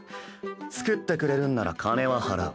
作ってくれるんなら金は払う。